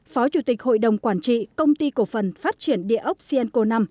phó chủ tịch hội đồng quản trị công ty cổ phần phát triển địa ốc sienco năm